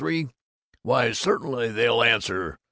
Why certainly they'll answer.